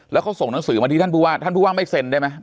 แล้วเขาส่งหนังสือมาที่ท่านผู้ว่าท่านผู้ว่าไม่เซ็นได้ไหม